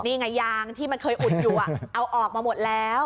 นี่ไงยางที่มันเคยอุดอยู่เอาออกมาหมดแล้ว